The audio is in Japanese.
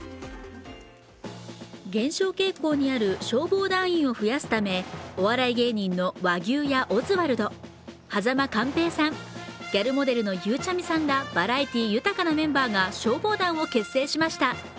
減少傾向にある消防団員を増やすためお笑い芸人の和牛やオズワルド、間寛平さん、ギャルモデルのゆうちゃみさんら、バラエティー豊かなメンバーが消防団を結成しました。